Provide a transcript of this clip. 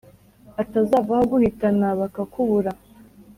atazavaho aguhitana bakakubura